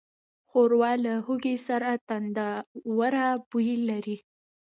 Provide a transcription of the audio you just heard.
ښوروا له هوږې سره تندهوره بوی لري.